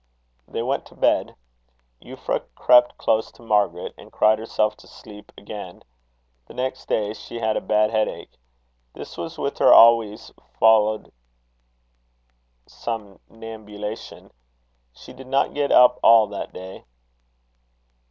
They went to bed. Euphra crept close to Margaret, and cried herself asleep again. The next day she had a bad head ache. This with her always followed somnambulation. She did not get up all that day.